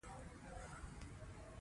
تاریخ د خیر او شر جګړه ده.